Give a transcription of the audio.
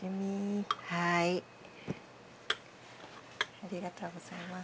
ありがとうございます。